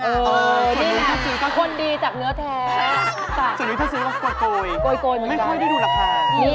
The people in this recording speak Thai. เออนี่แหละคนดีจากเนื้อแท้จริงถ้าซื้อก็โกยไม่ค่อยได้ดูราคา